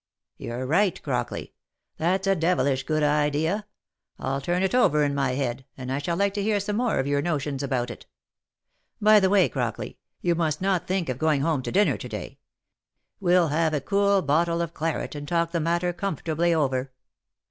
" You're right, Crockley. That's a devilish good idea ; I'll turn it over in my head, and I shall like to hear some more of your notions about it. By the way, Crockley, you must not think of going home to dinner to day. We'll have a cool bottle of claret, and talk the matter comfortably over.